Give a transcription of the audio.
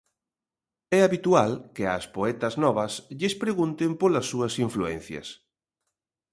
É habitual que ás poetas novas lles pregunten polas súas influencias.